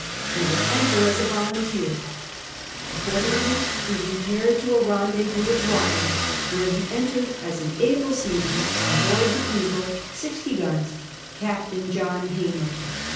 He would enter as a volunteer. Accordingly he repaired to a rendezvous at Wapping, where he entered as an able seaman on board the Ea^e, sixty guns. Captain John Hamer.